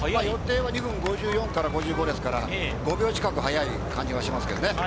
予定は２分５４から５５ですから５秒近く速い感じがしますね。